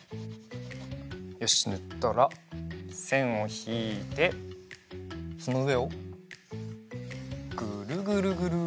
よしぬったらせんをひいてそのうえをぐるぐるぐる。